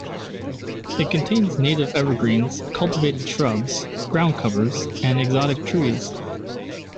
It contains native evergreens, cultivated shrubs, groundcovers, and exotic trees.